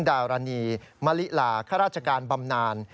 ๊ารนีมาริลาค่าราชการบำนาน